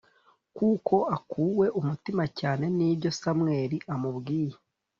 kuko akuwe umutima cyane n’ibyo samweli amubwiye